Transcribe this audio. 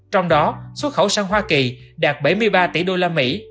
trong đó xuất khẩu sang hoa kỳ đạt bảy mươi ba tỷ đô la mỹ